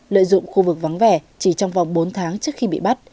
lợi dụng khu vực vắng vẻ chỉ trong vòng bốn tháng trước khi bị bắt